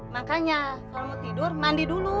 makanya kalau mau tidur mandi dulu